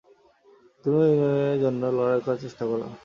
তুমিও ইউনিয়নের জন্য লড়াই করার চেষ্টা করো।